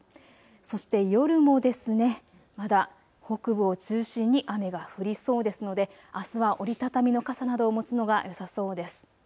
そして夜もまだ北部を中心に雨が降りそうですので、あすは折り畳みの傘などを持つのがよさそうです。